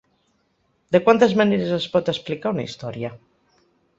De quantes maneres es pot explicar una història?